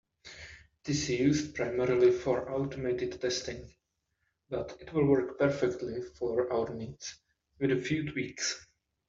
It is used primarily for automated testing, but it will work perfectly for our needs, with a few tweaks.